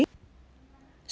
do ảnh hưởng của không khí lạnh